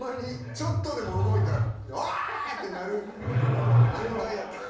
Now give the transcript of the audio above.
ちょっとでも動いたらわあ！ってなる状態やったから。